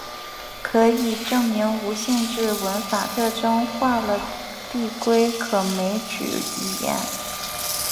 可以证明无限制文法特征化了递归可枚举语言。